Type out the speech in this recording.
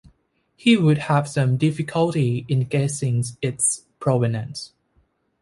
He would have some difficulty in guessing its provenance